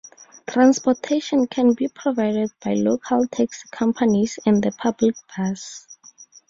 Transportation can be provided by local taxi companies and the public bus.